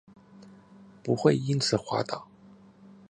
不会因此滑倒